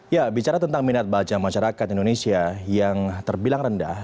ya bicara tentang minat baca masyarakat indonesia yang terbilang rendah